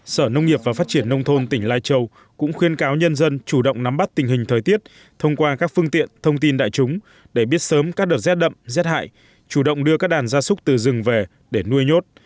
sở nông nghiệp và phát triển nông thôn tỉnh lai châu cũng khuyên cáo nhân dân chủ động nắm bắt tình hình thời tiết thông qua các phương tiện thông tin đại chúng để biết sớm các đợt rét đậm rét hại chủ động đưa các đàn gia súc từ rừng về để nuôi nhốt